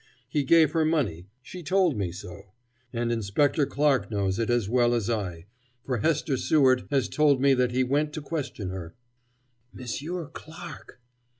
He gave her money she told me so. And Inspector Clarke knows it, as well as I, for Hester Seward has told me that he went to question her " "M'sieur Clarke!"